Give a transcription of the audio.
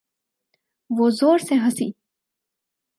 وہ زور سے ہنسی۔